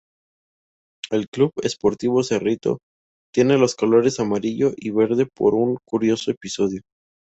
El Club Sportivo Cerrito, tiene los colores amarillo y verde por un curioso episodio.